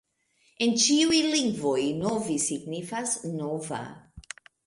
En ĉiuj lingvoj Novi signifas: nova.